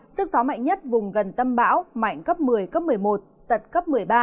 sức gió mạnh nhất vùng gần tâm bão mạnh cấp một mươi cấp một mươi một giật cấp một mươi ba